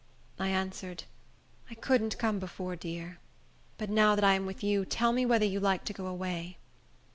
I answered, "I couldn't come before, dear. But now that I am with you, tell me whether you like to go away."